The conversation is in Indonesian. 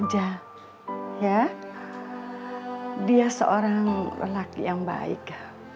dia seorang lelaki yang baik